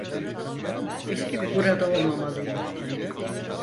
Burada olmamalıyım.